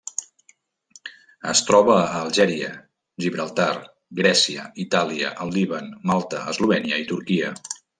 Es troba a Algèria, Gibraltar, Grècia, Itàlia, el Líban, Malta, Eslovènia i Turquia.